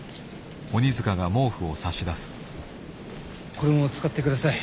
これも使ってください。